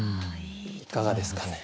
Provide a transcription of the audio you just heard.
いかがですかね？